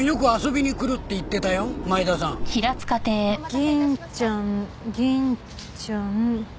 銀ちゃん銀ちゃん。